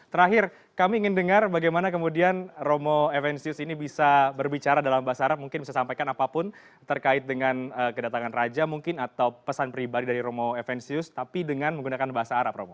terakhir kami ingin dengar bagaimana kemudian romo evensius ini bisa berbicara dalam bahasa arab mungkin bisa sampaikan apapun terkait dengan kedatangan raja mungkin atau pesan pribadi dari romo evensius tapi dengan menggunakan bahasa arab romo